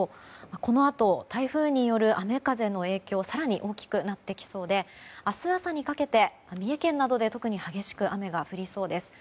このあと台風による雨風の影響が更に大きくなってきそうで明日朝にかけて三重県などで特に激しく雨が降りそうです。